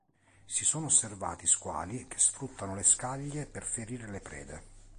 Si sono osservati squali che sfruttano le scaglie per ferire le prede.